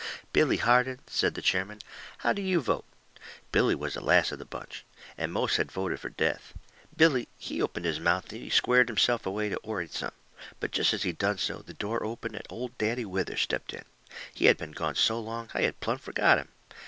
"Billy Harden," says the chairman, "how do you vote?" Billy was the last of the bunch. And most had voted fur death. Billy, he opened his mouth and he squared himself away to orate some. But jest as he done so, the door opened and Old Daddy Withers stepped in. He had been gone so long I had plumb forgot him.